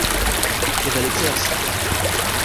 Je velice jasný.